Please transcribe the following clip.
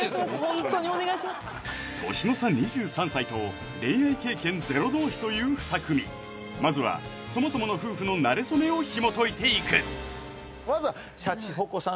ホントにお願いします年の差２３歳と恋愛経験ゼロ同士という２組まずはそもそもの夫婦のなれそめをひもといていくまずはシャチホコさん